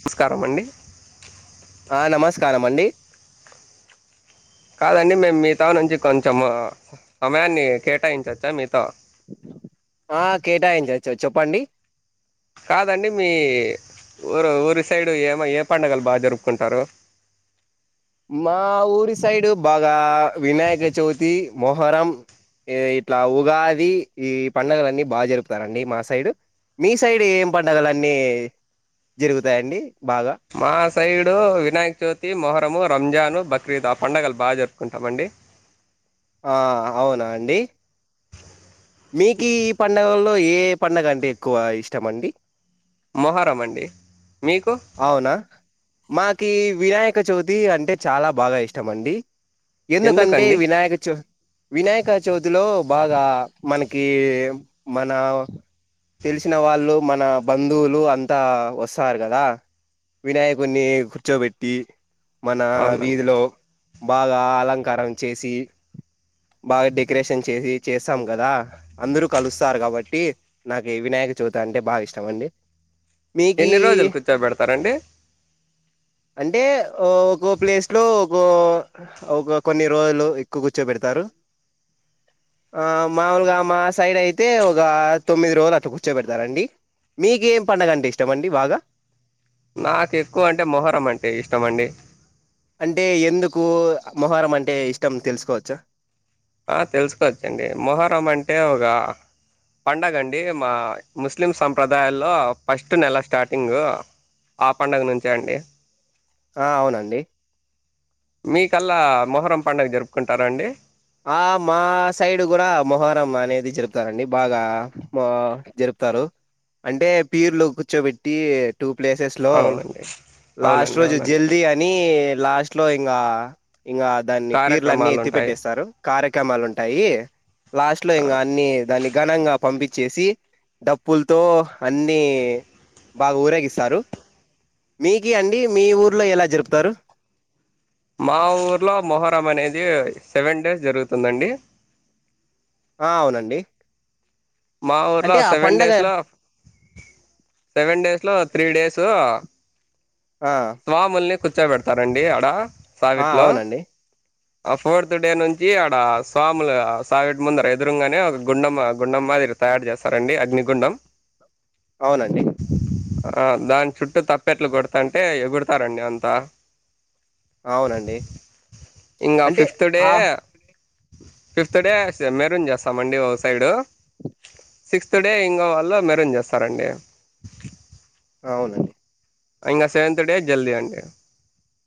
నమస్కారం అండి ఆ నమస్కారం అండి కాదండి మేము మీతో నుంచి కొంచెము సమయాన్ని కేటాయించవచ్చా మీతో ఆ కేటాయించచ్చు చెప్పండి కాదండి మీ ఊరు ఊరి సైడు ఏమి ఏ పండుగలు బాగా జరుపుకుంటారు మా ఊరి సైడ్ బాగా వినాయక చవితి మోహ హరం ఇట్లా ఉగాది ఈ పండగలన్ని బాగా జరుపుతారండి మా సైడ్ మీ సైడ్ ఏం పండగలు అన్నీ జరుగుతాయండి బాగా మా సైడు వినాయ చవితి మొహరము రంజాను బక్రీద్ ఆ పండుగలు బాగా జరుపుకుంటాం అండి ఆ అవునా అండి మీకు ఈ పండగల్లో ఏ పండుగ అంటే ఎక్కువ ఇష్టం అండి మొహరం అండి మీకు అవునా మాకు వినాయక చవితి అంటే చాలా బాగా ఇష్టం అండి ఎందుకంటే ఎందుకండి వినాయక చో వినాయక చవితిలో బాగా మనకి మన తెలిసిన వాళ్ళు మన బంధువులు అంతా వస్తారు కదా వినాయకుడిని కూర్చోబెట్టి మన అవునండి వీధిలో బాగా అలంకారం చేసి బాగా డెకరేషన్ చేసి చేస్తాం కదా అందరూ కలుస్తారు కాబట్టి నాకీ వినాయక చవిత అంటే బాగా ఇష్టం అండి మీకి ఎన్ని రోజులు కూర్చోబెడతారండి అంటే ఒకో ప్లేస్ లో ఒకో ఒక కొన్ని రోజులు ఎక్కువ కూర్చో పెడతారు ఆ మాముూలుగా మా సైడ్ అయితే ఒక తొమ్మిది రోజులు అట్లా కూర్చోబెడతారండి మీకేం పండుగ అంటే ఇష్టం అండి బాగా నాకు ఎక్కువ అంటే మొహరం అంటే ఇష్టమండి అంటే ఎందకూ మొహరం అంటే ఇష్టం తెలుసుకోవచ్చా ఆ తెలుసుకోవచ్చండి మొహరం అంటే ఒగా పండగ అండి మా ముస్లిం సంప్రదాయాల్లో ఫస్ట్ నెల స్టార్టింగ్ ఆ పండగ నుంచే అండి ఆ అవునండి మీకల్లా మొహరం పండుగ జరుపుకుంటారా అండి ఆ మా సైడ్ కూడా మొహరం అనేది జపుతారండి బాగా మ జరుపుతారు అంటే పీరులో కూర్చోబెట్టి టూ ప్లేసెస్ లో అవునండి లాస్ట్ అవునండి రోజు అవునండి జల్దీ అని లాస్ట్ ఇట్లో ఇంకా ఇంకా దాన్ని పీర్లన్ని కార్యక్రమాలు ఎత్తి ఉంటాయి పెట్టేస్తారు కార్యక్రమాలు ఉంటాయి లాస్ట్ లో ఇంకా అన్ని దాన్ని ఘనంగా పంపించేసి డప్పులతో అన్ని బాగా ఊరేగిస్తారు మీకి అండి మీ ఊర్లో ఎలా జరుపుతారు మా ఊర్లో మొహరం అనేది సెవెన్ డేస్ జరుగుతుందండి ఆ అవునండి మా ఊర్లో అంటే ఆ సెవెన్ పండగ డేస్లో సెవెన్ డేస్లో త్రీ డేసు ఆ స్వాముల్ని కూర్చోబెడతారండి అడ ఆ సావిట్లో అవునండి ఆ ఫోర్త్ డే నుంచి ఆడ స్వాములు సావిటి ముందర ఎదురుంగానే ఒక గుండమ్ గుండమ్ మాదిరు తయారు చేస్తారండి అగ్నిగుండం అవునండి ఆ దాని చుట్టూ తప్పెట్లు కొడుతాంటే ఎగుడతారండి అంతా ఆవునండి ఇంగా ఫిఫ్త్ డే ఫిఫ్త్ డే స్ మెరూన్ చేస్తాంమండి ఓ సైడు సిక్స్త్ డే ఇంకో వాళ్ళు మెరూన్ చేస్తారండి అవునండి ఇంగ సెవెంత్ డే జల్దీ అండి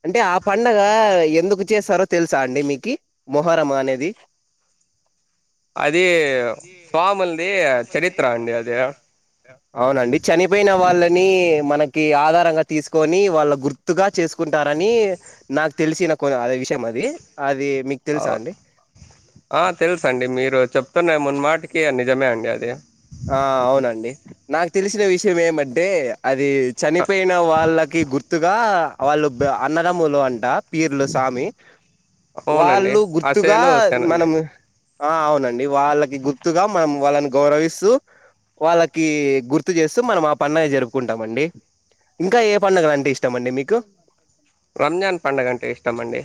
అంటే ఆ పండగ ఎందుకు చేస్తారో తెలుసా అండి మీకి మొహరము అనేది అది అది స్వాములు ది స్వాముల్ది చరిత్ర అండి అది చరిత్ర అవునండి చనిపోయిన వాళ్ళని మనకి ఆధారంగా తీసుకొని వాళ్ళ గుర్ తుగా చేసుకుంటారని నాకు తెలిసిన కొద అదే విషయం అది అది మీ ఔ ఆ తెలుసండి మీరు చెప్తున్న మున్మాటికి నిజమే అండి అది ఆ అవునండి నాకు తెలిసిన విషయం ఏమంటే అది చనిపోయిన వాళ్ళకి గుర్తుగా వాళ్ళు బ్ అన్నదమ్ములు అంట పీర్లు సామి అవునండి వాళ్ళు గుర్తుగా హసేను హుసేన్ అండి మనము ఆ అవునండి వాళ్ళకి గుర్తుగా మనం వాళ్ళని గౌరవిస్ తూ వాళ్ళకి గుర్తు చేస్తూ మనం ఆ పండగ జరుపుకుంటామండి ఇంకా ఏ పండుగలు అంటే ఇష్టమండి మీకు రంజాన్ పండగ అంటే ఇష్టం అండి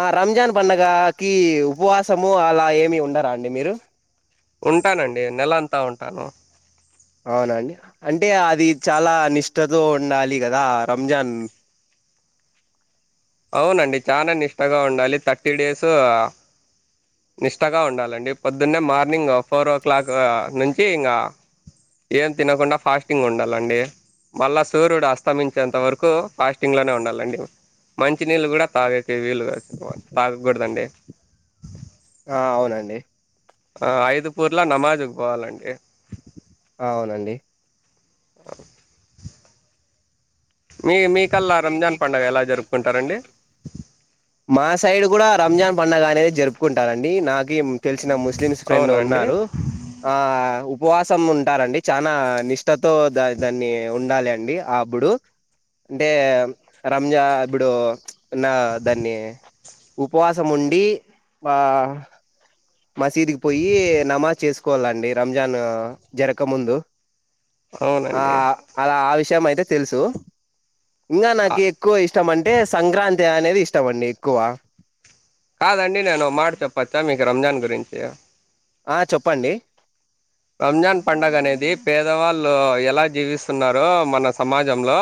ఆ రంజాన్ పండగ కి ఉపవాసము అలా ఏమీ ఉండరా అండి మీరు ఉంటానండి నెల అంతా ఉంటాను అవునా అండి అంటే అది చాలా నిష్టతో ఉండాలి గదా రంజాన్ అవునండి చానా నిష్టగా ఉండాలి థర్టీ డేసూ నిష్టగా ఉండాలండి పొద్దున్నే మార్నింగ్ ఫోర్ ఓ క్లాక్ నుంచి ఇంగా ఏం తినకుండా ఫాస్టింగ్ ఉండాలండి మళ్ళా సూర్యుడు అస్తమించేంత వరకూ ఫాస్టింగ్లోనే ఉండాలండి మంచి నీళ్ళు కూడా తాగేకి వీలు గాదు తాగకూడదండి ఆ అవునండి ఆ ఐదు పూర్లా నమాజుకి పోవాలండి అవునండి బ్లాంక్ మీ మీ కల్ల రంజాన్ పండగ మీకల్లా ఎలా రంజాన్ పండుగ ఎలా జరుపుకుంటారండి జరుపు మా సైడ్ కూడా రంజాన్ పండగ అనేది జరుపుకుంటారండి నాగీం తెలిసిన ముస్లిమ్స్ ఫ్రెండ్ అవునండి ఉన్నారు ఆ ఉపవాసం ఉంటారండి చానా నిష్టతో దా దాన్ని ఉండాలి అండి ఆబ్బుడు అంటే రంజా ఇబ్బుడు ఉన్నా దాన్ని ఉపవాసం ఉండి ఆ మసీదుకిి పొయ్యి నమాజ్ చేసుకోవాలండి రంజాన్ జరక్క ముందు ఆ అవునండి అలా ఆ విషయం అయితే తెలుసు ఇంగా ఆ, నాకి ఎక్కువ ఇష్టం అంటే సంక్రాంతి అనేది ఇష్టం అండి ఎక్కువ కాదండి నేను ఓ మాట చెప్పచ్చా మీకు రంజాన్ గురించి ఆ చొప్పండి రంజాన్ పండగ అనేది పేదవాళ్ళు ఎలా జీవిస్తున్నారో మన సమాజంలో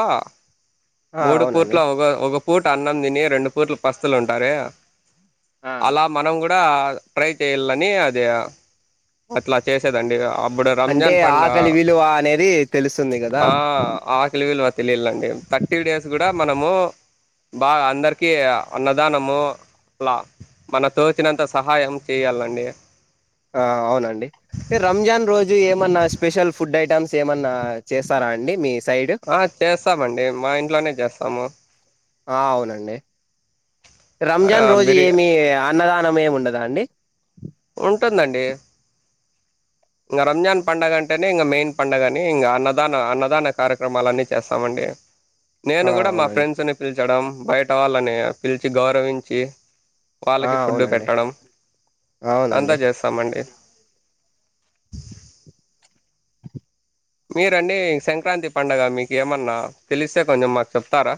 ఆ మూడు అవునండి పూట్లా ఒక ఒక పూట అన్నం తిని రెండు పూట్ల పస్తులుంటారే ఆ అలా మనం కూడా ట్రై చేయ్యలని అదే. అట్లా చేసేదండి అప్పుడే అంటే రంజాన్ పండుగ ఆకలి విలువ అనేది తెలుస్తుంది కదా ఆహ్ ఆహ్. పెళ్లి విలువ తెలియలండి థర్టీ డేస్ కూడా మనము. బాగా అందరికి అన్నదానము అట్లా. మనకు తోచినంత సహాయం చెయ్యలండి. ఆహ్ అవునండి అంటే రంజాన్ రోజు ఏమన్నా స్పెషల్ ఫుడ్ ఐటమ్స్. ఏమన్నా చేస్తార అండి మీ ఇష్ ఆహ్ చేస్తామండి మా ఇంట్లోనే చేస్తాము. ఆహ్ అవునండి. రంజాన్ ఆ రోజు బిర్యా ఏమి అన్నదానం ఏం ఉండదా అండి. ఉంటుందండి. ఇంకా రంజాన్ పండుగ అంటేనే ఇంకా మెయిన్ పండుగ అని ఇంకా అన్నదాన అన్నదాన కార్యక్రమాలన్నీ చేస్తామండి. నేను ఆ కూడా మా అవునండి ఫ్రెండ్స్ని పిలిచడం బయట వాళ్ళని పిలిచి గౌరవించి. ఆ వాళ్ళకి ఫుడ్డు అవునండి పెట్టడం అంతా అవునండి చేస్తామండి. మీరండి సంక్రాంతి పండుగ మీకు ఏమన్నా తెలిస్తే కొంచెం మాకు చెప్తారా.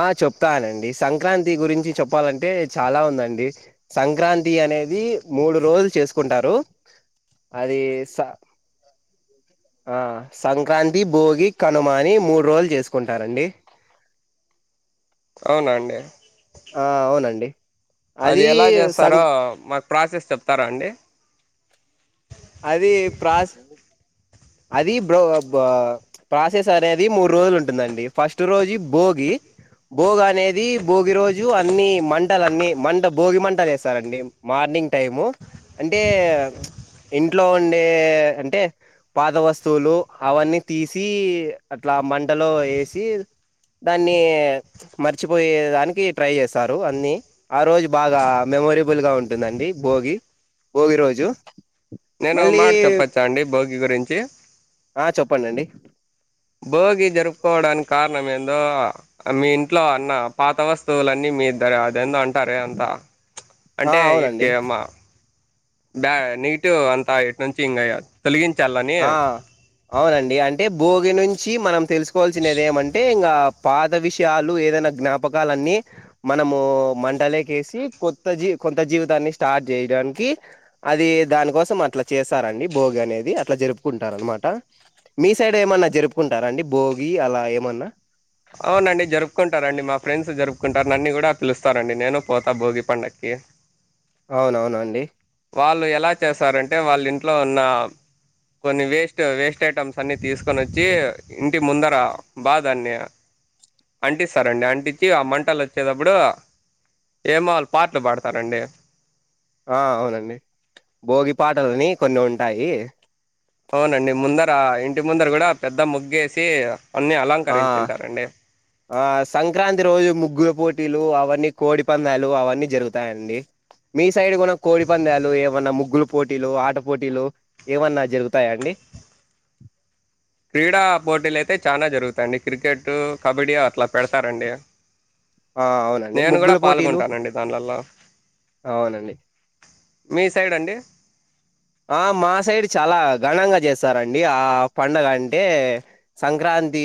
ఆహ్ చెప్తానండి సంక్రాంతి గురించి చెప్పాలంటే చాలా ఉందండి. సంక్రాంతి అనేది మూడు రోజులు చేసుకుంటారు. అది స. ఆహ్ సంక్రాంతి భోగి కనుమని మూడు రోజులు చేసుకుంటారండి. అవునండి ఆ అవునండి అది ఎలా సం చేస్తారో మాకు. ప్రాసెస్ చెప్తారా అండి. అది ప్రాస్ అది బ్రో అబ్బా. ప్రాసెస్ అనేది మూడు రోజులు ఉంటుందండి ఫస్ట్ రోజు భోగి. భోగనేది భోగి రోజు. రోజు అన్ని మంటలు అన్ని మంట భోగి మంటలు వేస్తారండి మార్నింగ్ టైము. అంటే ప్చ్ ఇంట్లో ఉండే అంటే. పాత వస్తువులు అవన్నీ తీసి అట్లా మంటలో వేసి. దాన్ని మర్చిపోయే దానికి ట్రై చేస్తారు అన్ని. ఆ రోజు బాగా మెమోరేబుల్ గా ఉంటుందండి భోగి భోగి రోజు. నేను ఒక మళ్ళీ మాట చెప్పొచ్చా అండి భోగి గురించి. ఆహ్ చెప్పండాండి భోగి జరుపుకోవడానికి కారణం ఏందో. మీ ఇంట్లో అన్న పాత వస్తువులన్నీ మీ ఇద్దర అదేందో అంట్ అంటారే అంత ప్చ్ ఆ అంటే అవునండి వీటికే అమ్మా. బా నీట్ అంతా ఇటు నుంచి ఇంగా తొలగించాలని. ఆహ్ అవునండి అంటే భోగి నుంచి మనం తెలుసుకోవాల్సినది ఏమంటే ఇంకా. పాత విషయాలు ఏదైనా జ్ఞాపకాలన్నీ. మనము మంటలేక వేసి కొత్త జీ కొత్త జీవితాన్ని స్టార్ట్ చేయడానికి. అది దానికోసం అట్లా చేస్తారండి భోగి అనేది. అట్లా జరుపుకుంటారనమాట మీ సైడ్ ఏమన్నా జరుపుకుంటారా అండి భోగి అలా ఏమన్నా. అవునండి జరుపుకుంటారండి మా ఫ్రెండ్స్ జరుపుకుంటారు నన్ను కూడా పిలుస్తారు అండి నేను పోతా భోగి పండక్కి. అవునవునండి వాళ్ళు ఎలా చేసారంటే వాళ్ళ ఇంట్లో ఉన్న కొన్ని వేస్ట్ వేస్ట్ ఐటమ్స్ అన్ని తీసుకొని వచ్చి ఇంటి ముందర బాదండి అంటిస్తారండి అంటించి ఆ మంటలు వచ్చేటప్పుడు ఏమో వాళ్ళు పాటలు పాడతారండి ఆ అవునండి భోగి పాటలని కొన్ని ఉంటాయి అవునండి ముందర ఇంటి ముందర కూడా పెద్ద ముగ్గేసి అన్నీ ఆ అలంకరించి ఉంటారండి ఆ సంక్రాంతి రోజు ముగ్గుల పోటీలు అవన్నీ కోడి పందాలు అవన్నీ జరుగుతాయండి మీ సైడ్ కూడా కోడి పందాలు ఏమన్నా ముగ్గులు పోటీలు ఆట పోటీలు ఏమన్నా జరుగుతాయాండి క్రీడా పోటీలు అయితే చాలా జరుగుతాయండి క్రికెట్ కబడ్డీ అట్లా పెడతారండి ఆ అవునండి నేను కూడా ముగ్గుల పోటీలు పాల్గొంటానండి దానిలలో అవునండి మీ సైడ్ అండి ఆ మా సైడ్ చాలా ఘనంగా చేస్తారండి ఆ పండగ అంటే సంక్రాంతి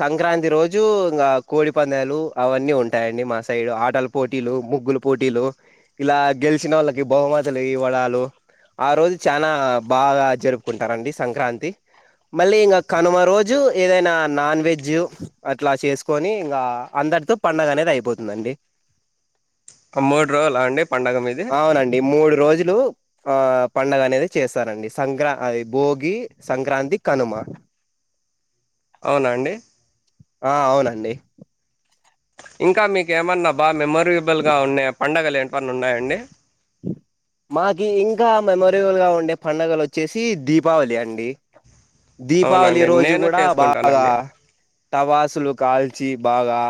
సంక్రాంతి రోజు ఇంగా కోడి పందాలు అవన్నీ ఉంటాయండి మా సైడ్ ఆటలు పోటీలు ముగ్గుల పోటీల్లో ఇలా గెలిచిన వాళ్ళకి బహుమతులు ఇవ్వడాలు ఆ రోజు చానా బాగా జరుపుకుంటారండి సంక్రాంతి మళ్ళీ ఇంగా కనుమ రోజు ఏదైనా నాన్ వెజ్ అట్లా చేసుకొని ఇంగా అందరితో పండగ అనేది అయిపోతుందండి మూడు రోజులా అండి పండగ మీది ఈ మూడు రోజులు ఆ పండగ అనేది చేస్తరండి సంక్రా అ భోగి సంక్రాంతి కనుమ అవునా అండి ఆ అవునండి ఇంకా మీకే ఏమన్నా బాగా మెమొరేబుల్గా ఉండే పండగలు ఏంటి వన్న ఉన్నాయండి మాకి ఇంకా మెమొరేబుల్ గా ఉండే పండుగలు వచ్చేసి దీపావళి అండి దీపావళి అవునండి రోజు నేను గూడా బాగా చేసుకుంటానండి టపాసులు కాల్చి బాగా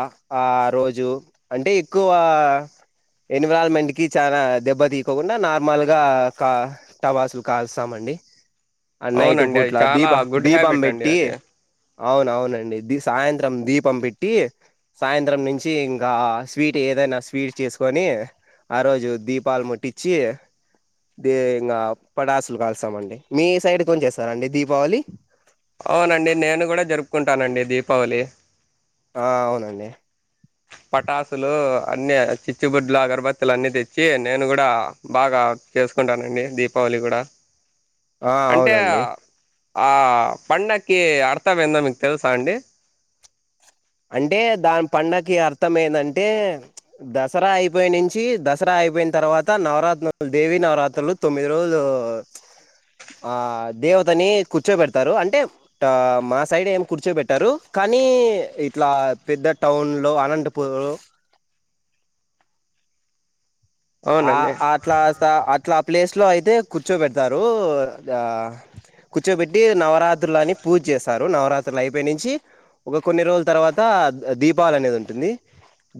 ఆ రోజు అంటే ఎక్కువ ఎన్విరాన్మెంట్ కి చానా దెబ్బ తీకోకుండా నార్మల్గా కా టపాసులు కలుస్తాం అండి నైట్ అవునండి అది పూట్లా చాలా దీప గుడ్ దీపం హ్యాబిట్ అండి పెట్టి అది అవునవునండి ది సాయంత్రం దీపం పెట్టి సాయంత్రం నుంచి ఇంకా స్వీట్ ఏదైనా స్వీట్ చేసుకొని ఆ రోజు దీప్ పాల్ ముట్టించి దే ఇంగా పటాసులు కాలుస్తామండి మీ సైడ్ గున చేస్తారండి దీపావళి అవునండి నేను గూడా జరుపుకుంటానండి దీపావళి హ అవును అండి పటాసులు అన్నీ చిచ్చుబుడ్లు అగరబత్తులు అన్నీ తెచ్చి నేను కూడా బాగా చేసుకుంటానండి దీపావళి గూడా ఆ అంటే అవునండి ఆ పండగకి అర్థం ఎందో మీకు తెలుసా అండి అంటే దాని పండుగకి అర్థం ఏందంటే దసరా అయిపోయి నుంచి దసరా అయిపోయిన తర్వాత నవరాత్ర దేవి నవరాత్రులు తొమ్మిది రోజులు ఆ దేవతని కూర్చో బెడతారు అంటే మా సైడ్ ఏం కూర్చోబెట్టరు కానీ ఇట్లా పెద్ద టౌన్లో అనంటపూర్లో ఆ అవునండి అట్లా అట్లా ప్లేస్లో అయితే కూర్చోబెడతారు కూర్చోబెట్టి నవరాత్రులని పూజ చేస్త రు నవరాత్రులు అయిపోయి నుంచి ఒక కొన్ని రోజుల తర్వాత దీపావళి అనేది ఉంటుంది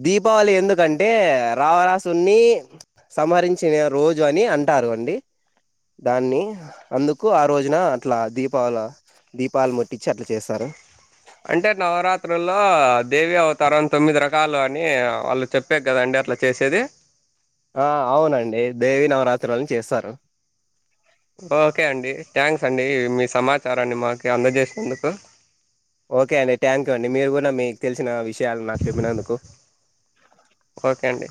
దీపావళి ఎందుకంటే రావణాసున్ని సంహరించిన రోజు అని అంటారండి దాన్ని అందుకు ఆ రోజున అట్లా దీపావళ దీపాలు ముట్టించి అట్లా చేస్తారు అంటే నవరాత్రుల్లో దేవి అవతారం తొమ్మిది రకాలు అని వాళ్ళు చెప్ చెప్పే కదాండి అట్లా చేసేది ఆ అవునండి దేవి నవరాత్రులని చేస్తారు ఓకే అండి థ్యాంక్స్ అండి మీ సమాచారాన్ని మాకు అందజేసినందుకు ఓకే అండి థాంక్యూ యూ అండి మీరు కూడా మీకు తెలిసిన విషయాలు నాకు చెప్పినందుకు ఓకే అండి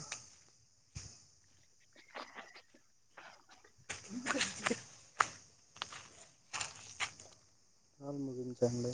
అల్ మగిల్ చే అండి